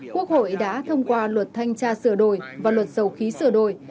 quốc hội đã thông qua luật thanh tra sửa đổi và luật dầu khí sửa đổi